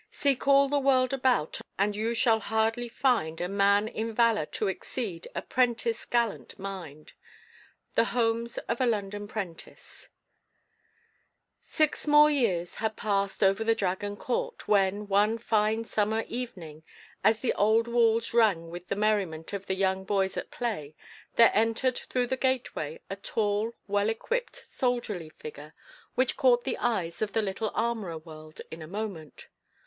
Seek all the world about And you shall hardly find A man in valour to exceed A prentice' gallant mind." The Homes of a London Prentice. Six more years had passed over the Dragon court, when, one fine summer evening, as the old walls rang with the merriment of the young boys at play, there entered through the gateway a tall, well equipped, soldierly figure, which caught the eyes of the little armourer world in a moment.